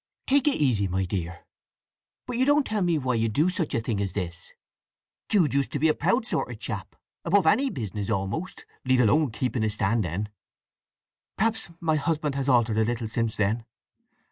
"Take it easy, my dear… But you don't tell me why you do such a thing as this? Jude used to be a proud sort of chap—above any business almost, leave alone keeping a standing." "Perhaps my husband has altered a little since then.